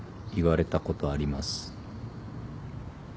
言われたことあります。